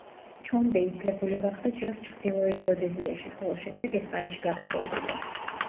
ჩომბე იძლებული გახდა ჯერ ჩრდილოეთ როდეზიაში, ხოლო შემდეგ ესპანეთში გაქცეულიყო.